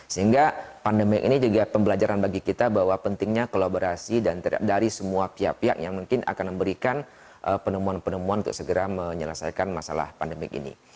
sehingga pandemi ini juga pembelajaran bagi kita bahwa pentingnya kolaborasi dari semua pihak pihak yang mungkin akan memberikan penemuan penemuan untuk segera menyelesaikan masalah pandemi ini